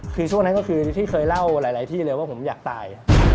คือช่วงนั้นก็คือที่เคยเล่าหลายที่เลยว่าผมอยากตาย